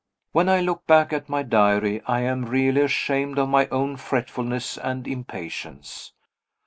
When I look back at my diary I am really ashamed of my own fretfulness and impatience.